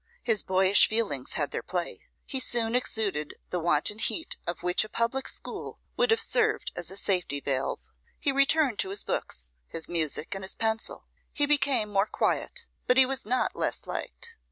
His boyish feelings had their play; he soon exuded the wanton heat of which a public school would have served as a safety valve. He returned to his books, his music, and his pencil. He became more quiet, but he was not less liked.